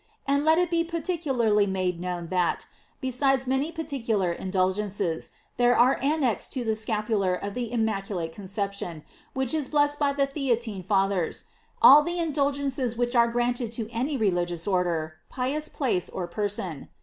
And let it be particularly made known that, besides many particular indulgences, there are annexed to the scapular of the Im maculate Conception, which is blessed by the Theatine Fathers, all the indulgences which are granted to any religious order, pious place, or person.